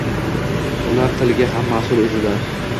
Ular tiliga ham mas’ul edilar.